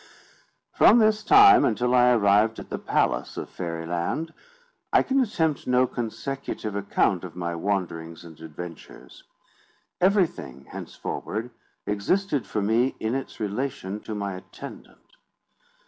From this time, until I arrived at the palace of Fairy Land, I can attempt no consecutive account of my wanderings and adventures. Everything, henceforward, existed for me in its relation to my attendant.